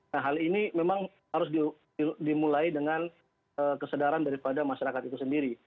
nah hal ini memang harus dimulai dengan kesadaran daripada masyarakat itu sendiri